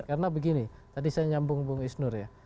karena begini tadi saya nyambung nyambung isnur ya